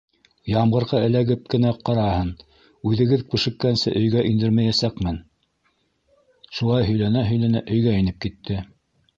Ямғырға эләгеп кенә ҡараһын, үҙегеҙ күшеккәнсе өйгә индермәйәсәкмен, - шулай һөйләнә-һөйләнә өйгә инеп китте.